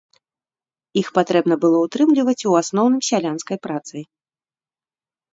Іх патрэбна было ўтрымліваць у асноўным сялянскай працай.